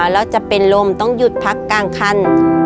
แล้วจะเป็นลมต้องหยุดพักกลางคัน